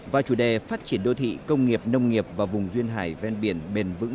và chủ đề phát triển đô thị công nghiệp nông nghiệp và vùng duyên hải ven biển bền vững